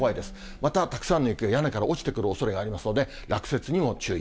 また、たくさんの雪が屋根から落ちてくるおそれがありますので、落雪にも注意。